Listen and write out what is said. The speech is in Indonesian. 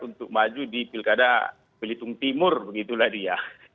untuk maju di pilkada belitung timur begitulah dia